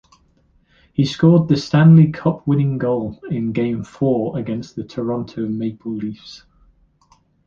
He scored the Stanley Cup-winning goal in game four against the Toronto Maple Leafs.